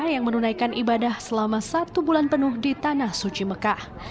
yang menunaikan ibadah selama satu bulan penuh di tanah suci mekah